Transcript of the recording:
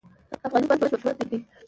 افغانستان زما ژوند دی؟